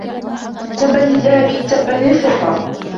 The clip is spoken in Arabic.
تَبًّا لِلذَّهَبِ تَبًّا لِلْفِضَّةِ